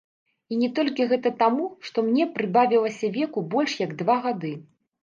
І не толькі гэта таму, што мне прыбавілася веку больш як два гады.